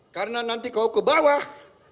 karena nanti kau ke bawah